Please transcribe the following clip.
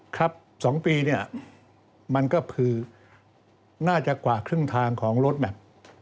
ครับ๒ปีเนี่ยมันก็คือน่าจะกว่าครึ่งทางของรถแมพ